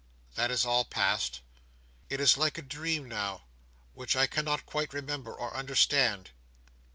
That is all past. It is like a dream, now, which I cannot quite remember or understand.